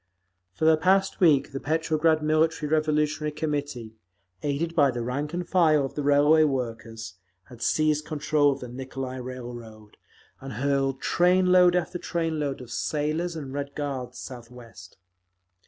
For the past week the Petrograd Military Revolutionary Committee, aided by the rank and file of the Railway Workers, had seized control of the Nicolai Railroad, and hurled trainload after trainload of sailors and Red Guards southwest….